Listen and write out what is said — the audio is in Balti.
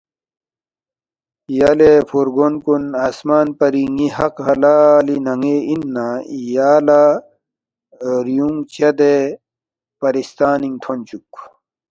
یلے فُورگون کُن آسمان پری ن٘ی حق نہ حلالی نن٘ے اِن نہ یا لہ ریُونگ چدے پرستانِنگ تھونچُوک